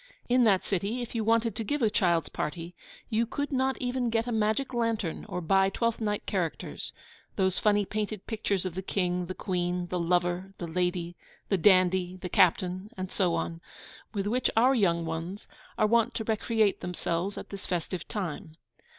In that city, if you wanted to give a child's party, you could not even get a magic lantern or buy Twelfth Night characters those funny painted pictures of the King, the Queen, the Lover, the Lady, the Dandy, the Captain, and so on with which our young ones are wont to recreate themselves at this festive time.